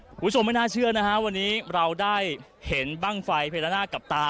คุณผู้ชมไม่น่าเชื่อนะฮะวันนี้เราได้เห็นบ้างไฟพญานาคกับตา